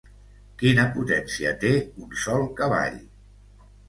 Quina potència té un sol cavall?